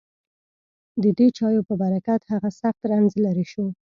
ددې چایو په برکت هغه سخت رنځ لېرې شو.